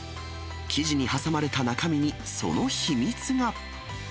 生地に挟まれた中身に、その秘密が。